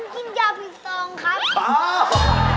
ผมกินยาผิดสองครับอ้าว